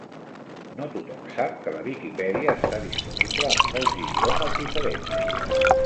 No tothom sap que la Viquipèdia està disponible en molts idiomes diferents